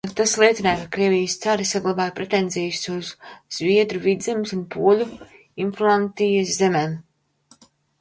Tas liecināja, ka Krievijas cari saglabāja pretenzijas uz Zviedru Vidzemes un poļu Inflantijas zemēm.